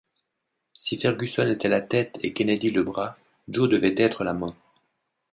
Si Fergusson était la tête et Kennedy le bras, Joe devait être la main.